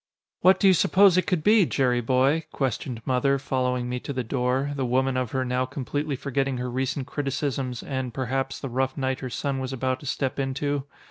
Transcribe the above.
"What do you suppose it could be, Jerry boy?" questioned Mother following me to the door, the woman of her now completely forgetting her recent criticisms and, perhaps, the rough night her son was about to step into.